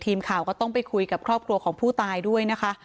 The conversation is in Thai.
ทีมข่าวก็ต้องไปคุยกับครอบครัวของผู้ตายด้วยนะคะ